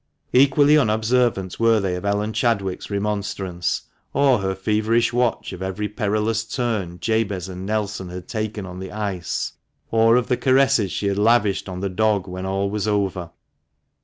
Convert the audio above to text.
Equally unobservant were they of Ellen Chadwick's remonstrance, or her feverish watch of every perilous turn Jabez and Nelson had taken on the ice, or of the caresses she lavished on the dog when all was over.